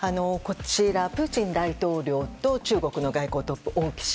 プーチン大統領と中国の外交トップ、王毅氏。